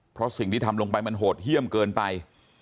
เพราะสิ่งที่ทำลงไปมันโหดเยี่ยมเกินไป